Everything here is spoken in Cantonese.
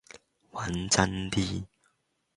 揾真啲